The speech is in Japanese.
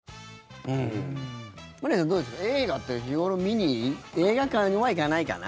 まりあさん、どうですか映画って日頃見に映画館には行かないかな？